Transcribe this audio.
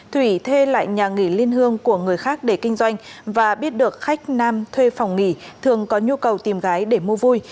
thủy thuê lại nhà nghỉ liên hương của người khác để kinh doanh và biết được khách nam thuê phòng nghỉ thường có nhu cầu tìm gái để mua vui